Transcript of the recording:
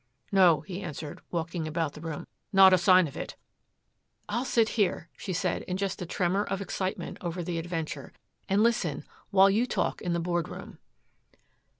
"No," he answered, walking about the room, "not a sign of it." "I'll sit here," she said in just a tremor of excitement over the adventure, "and listen while you talk in the board room."